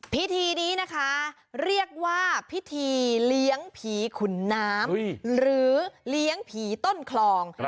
พิธีนี้นะคะเรียกว่าพิธีเลี้ยงผีขุนน้ำหรือเลี้ยงผีต้นคลอง